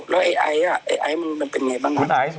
แล้วไอ้ไอ้มันเป็นยังไงบ้าง